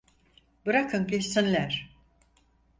Bırakın geçsinler.